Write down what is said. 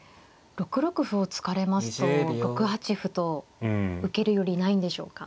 ６六歩を突かれますと６八歩と受けるよりないんでしょうか。